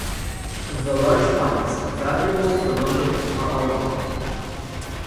The large pines, valuable for lumber, are all gone.